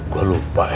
gue lupa ya